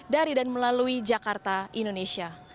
dari dan melalui jakarta indonesia